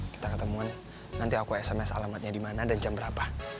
kita ketemuan nanti aku sms alamatnya di mana dan jam berapa